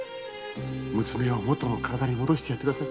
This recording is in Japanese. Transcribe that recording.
娘をもとの体に戻してやってください！